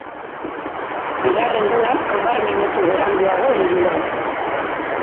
Bigarren gola hamar minutu beranduago heldu da.